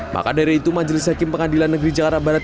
maka dari itu majelis hakim pengadilan negeri jakarta barat